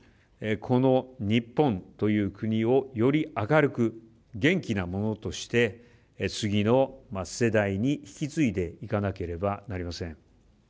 この日本という国をより明るく元気なものとして次の世代に引き継いでいかなければなりません。